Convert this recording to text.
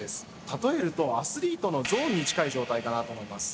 例えるとアスリートのゾーンに近い状態かなと思います。